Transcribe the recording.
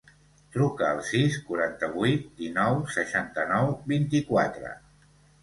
Truca al sis, quaranta-vuit, dinou, seixanta-nou, vint-i-quatre.